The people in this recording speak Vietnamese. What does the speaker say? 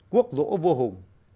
quốc rỗ vua hùng